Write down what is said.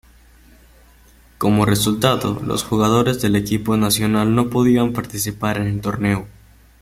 Como resultado, los jugadores del equipo nacional no podían participar en el torneo.